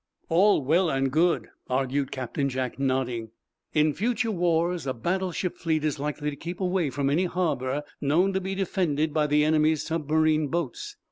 "All well and good," argued Captain Jack, nodding. "In future wars a battleship fleet is likely to keep away from any harbor known to be defended by the enemy's submarine boats.